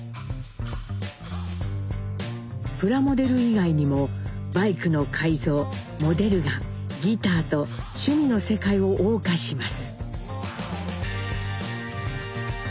プラモデル以外にもバイクの改造モデルガンギターと趣味の世界を謳歌します。